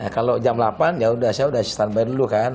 kalau jam delapan ya udah saya udah standby dulu kan